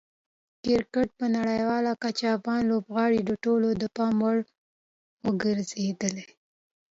د کرکټ په نړیواله کچه افغان لوبغاړي د ټولو د پام وړ ګرځېدلي.